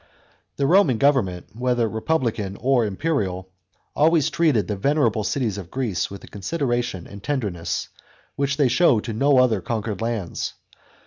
The Roman government — whether republican or imperial— always treated the venerable cities of Greece with a consideration and tenderness, which they showed to no other conquered lands.